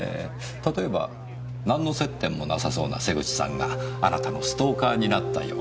例えば何の接点もなさそうな瀬口さんがあなたのストーカーになったように。